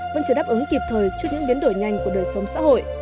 vẫn chưa đáp ứng kịp thời trước những biến đổi nhanh của đời sống xã hội